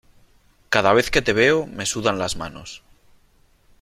Cada vez que te veo me sudan las manos.